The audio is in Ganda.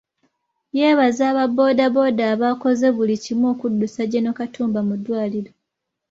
Yeebaza aba boodabooda abaakoze buli kimu okuddusa Gen. Katumba mu ddwaliro.